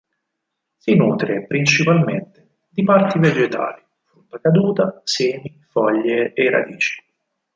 Si nutre principalmente di parti vegetali, frutta caduta, semi, foglie e radici.